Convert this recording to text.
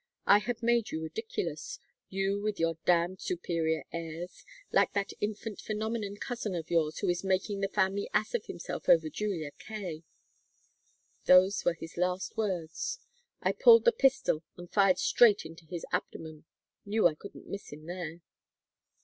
I had made you ridiculous you with your damned superior airs like that infant phenomenon cousin of yours who is making the family ass of himself over Julia Kaye ' "Those were his last words. I pulled the pistol and fired straight into his abdomen knew I couldn't miss him there.